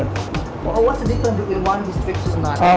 apa perbedaan antara kawasan di satu kawasan